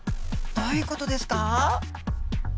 どういう事ですか？